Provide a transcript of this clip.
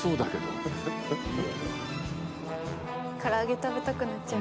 森川）からあげ食べたくなっちゃう。